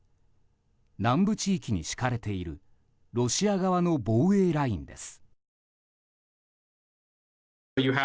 南部地域に敷かれているロシア側の防衛ラインです。